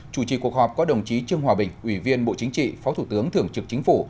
chủ trì cuộc họp có đồng chí trương hòa bình ủy viên bộ chính trị phó thủ tướng thưởng trực chính phủ